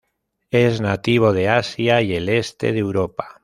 Es nativo de Asia y el este de Europa.